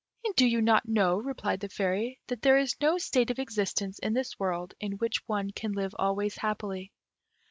"And do you not know," replied the Fairy, "that there is no state of existence in this world in which one can live always happily."